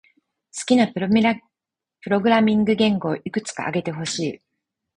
好きなプログラミング言語をいくつか挙げてほしい。